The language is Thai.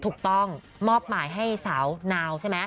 ถูกต้องมอบหมายให้สาวนาวใช่ไหม